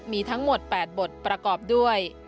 มีทั้งหมด๘บทประกอบด้วย